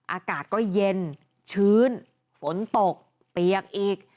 อากาศก็เย็นชื้นฝนตกเปียกอีก